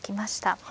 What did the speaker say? はい。